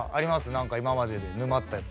なんか今までで沼ったやつ。